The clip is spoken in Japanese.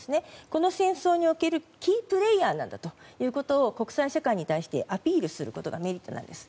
この戦争におけるキープレーヤーなんだということを国際社会に対してアピールすることがメリットなんです。